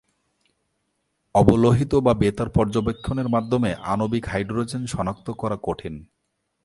অবলোহিত বা বেতার পর্যবেক্ষণের মাধ্যমে আণবিক হাইড্রোজেন শনাক্ত করা কঠিন।